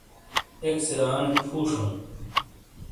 ایک سے آنے فُو شَوں۔